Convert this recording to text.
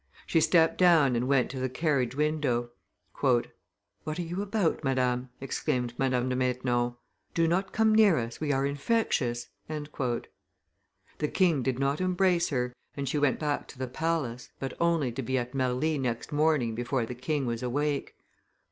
She stepped down and went to the carriage window. "What are you about, Madame?" exclaimed Madame de Maintenon; "do not come near us, we are infectious." The king did not embrace her, and she went back to the palace, but only to be at Marly next morning before the king was awake.